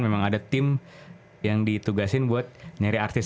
memang ada tim yang ditugaskan untuk mencari artis